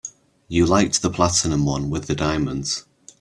You liked the platinum one with the diamonds.